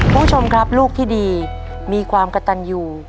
คุณผู้ชมครับลูกที่ดีมีความกระตันอยู่